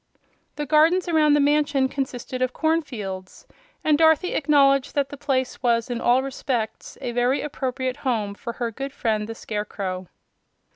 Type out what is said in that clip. The gardens around the mansion consisted of cornfields, and Dorothy acknowledged that the place was in all respects a very appropriate home for her good friend the Scarecrow.